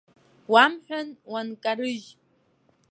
Уамҳәан уанкарыжь.